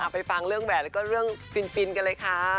ไปฟังเรื่องแบบแล้วก็เรื่องฟินกันเลยค่ะ